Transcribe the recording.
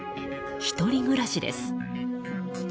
１人暮らしです。